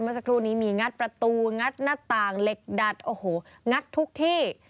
เมื่อสักครู่นี้มีงัดประตูงัดหน้าต่างเหล็กดัดโอ้โหงัดทุกที่